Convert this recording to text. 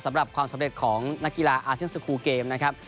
สำหรับความสำเร็จของนักกีฬาอาเซียนสกูลเกมนะครับ